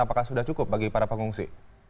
apakah sudah cukup bagi para pengungsi